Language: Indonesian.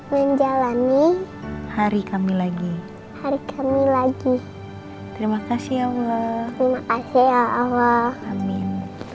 menjalani hari kami lagi hari kami lagi terima kasih allah maaf ya allah amin